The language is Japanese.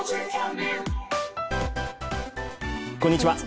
こんにちは。